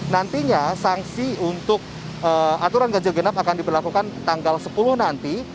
nantinya sanksi untuk aturan ganjil genap akan diberlakukan tanggal sepuluh nanti